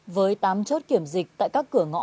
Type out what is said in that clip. với tám chốt kiểm dịch tại các cửa ngõ